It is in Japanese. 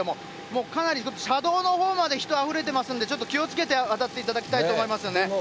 もうかなり車道のほうまで人があふれてますんで、ちょっと気をつけて渡っていただきたいと思いますよね。